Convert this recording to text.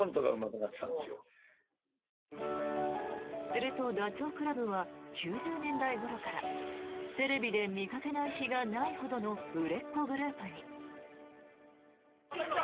すると、ダチョウ倶楽部は９０年代ごろからテレビで見かけない日がないほどの売れっ子グループに。